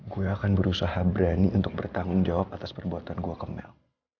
gue akan berusaha berani untuk bertanggung jawab atas perbuatan gue kemel